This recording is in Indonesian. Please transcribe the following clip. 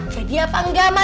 jadi apa engga ma